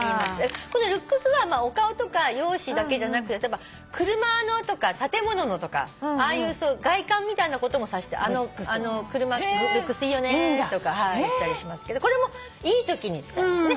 この「ルックス」はお顔とか容姿だけじゃなく例えば車のとか建物のとかああいう外観みたいなことも指して「あの車ルックスいいよね」とか言ったりしますけどこれもいいときに使いますね。